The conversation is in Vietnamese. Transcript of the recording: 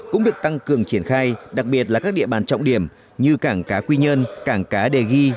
cũng được tăng cường triển khai đặc biệt là các địa bàn trọng điểm như cảng cá quy nhơn cảng cá đề ghi